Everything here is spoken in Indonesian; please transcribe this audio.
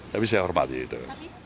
tapi saya hormati itu